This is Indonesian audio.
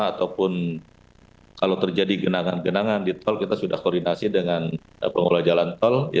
ataupun kalau terjadi genangan genangan di tol kita sudah koordinasi dengan pengelola jalan tol